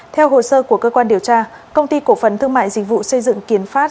theo hồ sơ của cơ quan điều tra công ty cổ phần thương mại dịch vụ xây dựng kiến pháp